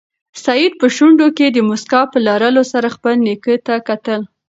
سعید په شونډو کې د موسکا په لرلو سره خپل نیکه ته کتل.